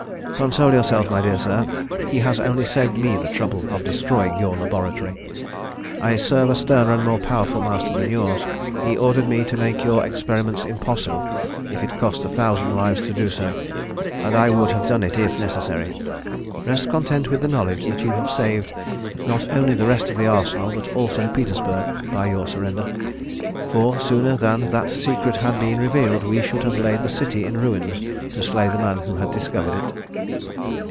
"Console yourself, my dear sir! He has only saved me the trouble of destroying your laboratory. I serve a sterner and more powerful master than yours. He ordered me to make your experiments impossible if it cost a thousand lives to do so, and I would have done it if necessary. Rest content with the knowledge that you have saved, not only the rest of the Arsenal, but also Petersburg, by your surrender; for sooner than that secret had been revealed, we should have laid the city in ruins to slay the man who had discovered it."